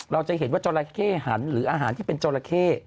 เราจะเห็นว่าจราเข้หันหรืออาหารที่เป็นจราเข้